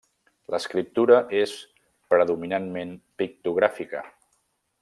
L'escriptura és predominantment pictogràfica.